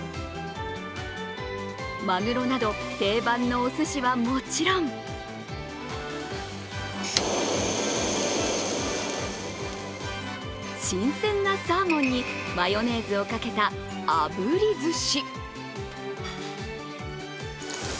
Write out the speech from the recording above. まぐろなど定番のおすしはもちろん新鮮なサーモンにマヨネーズをかけたあぶりずし。